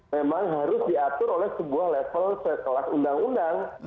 memang harus diatur oleh sebuah level sekelas undang undang